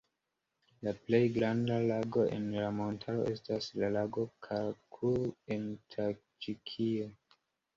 La plej granda lago en la montaro estas la lago Kara-Kul en Taĝikio.